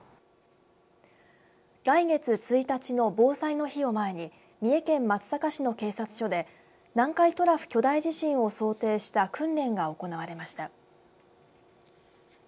来月１日の防災の日を前に三重県松阪市の警察署で南海トラフ巨大地震を想定した訓練が行われました。